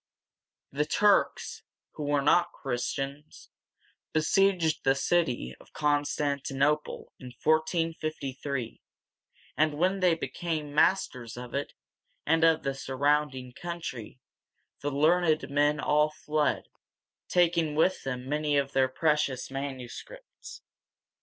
The Turks, who were not Christians, besieged the city of Constantinople in 1453, and when they became masters of it, and of the surrounding country, the learned men all fled, taking with them many of their precious manuscripts.